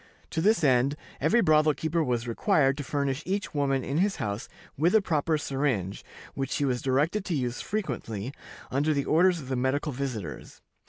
To this end, every brothel keeper was required to furnish each woman in his house with a proper syringe, which she was directed to use frequently, under the orders of the medical visitors.